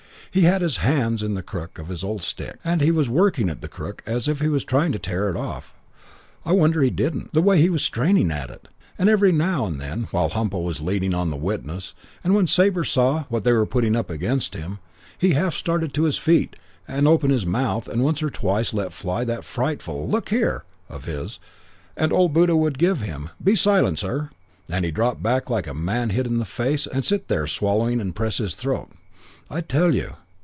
He had his hands on the crook of his old stick and he was working at the crook as if he was trying to tear it off. I wonder he didn't, the way he was straining at it. And every now and then while Humpo was leading on the witnesses, and when Sabre saw what they were putting up against him, he'd half start to his feet and open his mouth and once or twice let fly that frightful 'Look here ' of his; and old Buddha would give him, 'Be silent, sir!' and he'd drop back like a man with a hit in the face and sit there swallowing and press his throat. "I tell you....